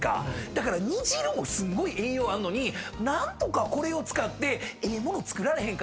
だから煮汁もすごい栄養あんのに何とかこれを使ってええ物作られへんかな。